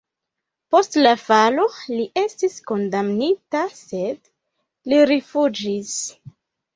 Post la falo li estis kondamnita, sed li rifuĝis.